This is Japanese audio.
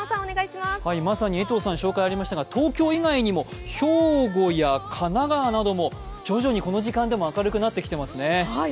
まさに江藤さん紹介ありましたが、東京以外にも兵庫や神奈川なども徐々にこの時間でも明るくなってきていますね。